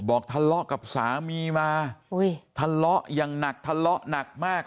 บอกทะเลาะกับสามีมาทะเลาะอย่างหนักทะเลาะหนักมาก